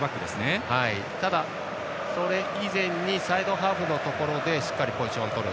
ただ、それ以前にサイドハーフのところでしっかりポジションをとる。